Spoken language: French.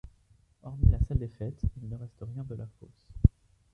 Hormis la salle des fêtes, il ne reste rien de la fosse.